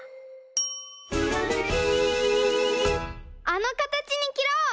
あのかたちにきろう！